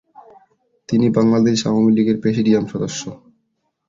তিনি বাংলাদেশ আওয়ামীলীগের প্রেসিডিয়াম সদস্য।